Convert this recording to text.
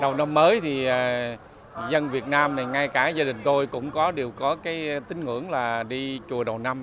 đầu năm mới thì dân việt nam này ngay cả gia đình tôi cũng có đều có cái tính ngưỡng là đi chùa đầu năm